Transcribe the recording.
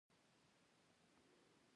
پوه شوم چې دا احمق به دلته راځي